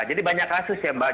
jadi banyak kasus ya mbak